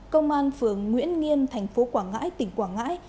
công an phường nguyễn nghiêm thành phố quảng ngãi tỉnh quảng ngãi